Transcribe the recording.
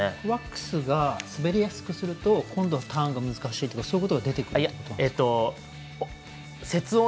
ワックスを滑りやすくすると今度はターンが難しいとかそういうことが出てくるってことですか？